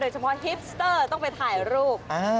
เฉพาะฮิปสเตอร์ต้องไปถ่ายรูป